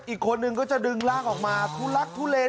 อีกคนนึงก็จะดึงร่างออกมาทุลักทุเลน